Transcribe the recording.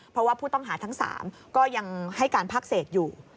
เพราะว่าผู้ต้องหาทั้ง๓ก็ยังให้การพักเศษอยู่